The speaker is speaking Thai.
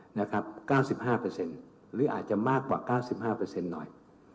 หรืออาจจะมากกว่า๙๕หน่อย